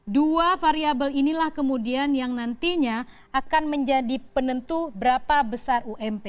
dua variable inilah kemudian yang nantinya akan menjadi penentu berapa besar ump